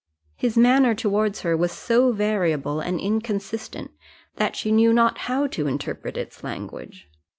His manner towards her was so variable and inconsistent, that she knew not how to interpret its language.